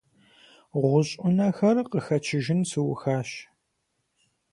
ГъущӀ Ӏунэхэр къыхэчыжын сухащ.